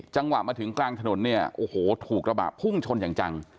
จังหวะมาถึงกลางถนนเนี่ยโอ้โหถูกกระบะพุ่งชนอย่างจัง